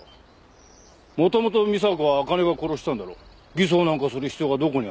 偽装なんかする必要がどこにある？